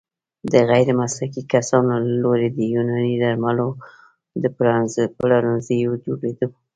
د غیرمسلکي کسانو له لوري د يوناني درملو د پلورنځيو جوړیدو